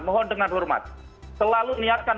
mohon dengan hormat selalu niatkan